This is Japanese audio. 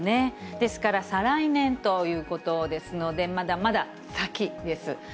ですから、再来年ということですので、まだまだ先です。